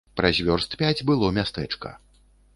Праз вёрст пяць было мястэчка.